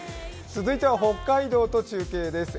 続いては北海道と中継です。